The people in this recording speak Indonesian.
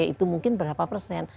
itu mungkin berapa persen